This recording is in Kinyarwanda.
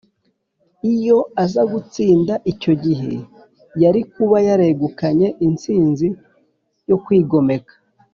. Iyo aza gutsinda icyo gihe, yari kuba yegukanye intsinzi yo kwigomeka